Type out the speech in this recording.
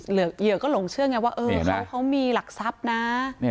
เหยื่อก็หลงเชื่อไงว่าเขามีหลักทรัพย์นะ